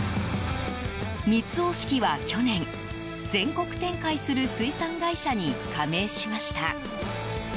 三津大敷は去年、全国展開する水産会社に加盟しました。